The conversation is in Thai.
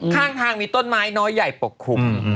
ข้างเป็นแค่ต้นไม้น้อยใหญ่ปกคลุม